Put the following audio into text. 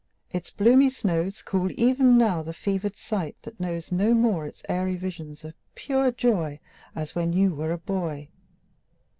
Its bloomy snows Cool even now the fevered sight that knows No more its airy visions of pure joy As when you were a boy.